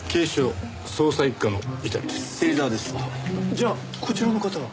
じゃあこちらの方は？